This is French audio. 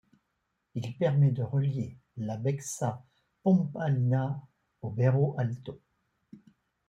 Il permet de relier la Baixa pombalina au Bairro Alto.